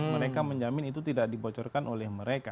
mereka menjamin itu tidak dibocorkan oleh mereka